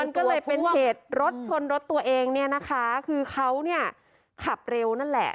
มันก็เลยเป็นเหตุรถชนรถตัวเองเนี่ยนะคะคือเขาเนี่ยขับเร็วนั่นแหละ